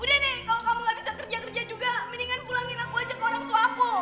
udah nih kalau kamu gak bisa kerja kerja juga mendingan pulangin aku aja ke orangtuaku